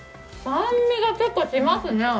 酸味が結構しますね。